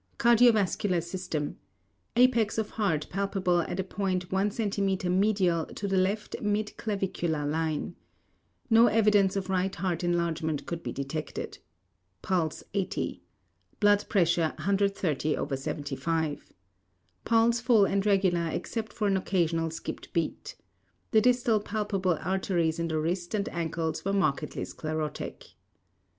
CARDIOVASCULAR SYSTEM: Apex of heart palpable at a point 1 cm medial to the left mid clavicular line. No evidence of right heart enlargement could be detected. Pulse 80. Blood pressure 130/75. Pulse full and regular except for an occasional skipped beat. The distal palpable arteries in the wrist and ankles were markedly sclerotic.